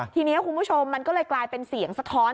ทีนี้คุณผู้ชมมันก็เลยกลายเป็นเสียงสะท้อน